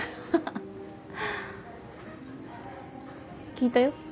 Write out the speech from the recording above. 聞いたよ